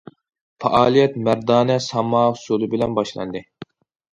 پائالىيەت مەردانە ساما ئۇسسۇلى بىلەن باشلاندى.